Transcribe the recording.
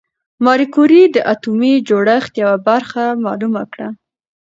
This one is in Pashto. ماري کوري د اتومي جوړښت یوه برخه معلومه کړه.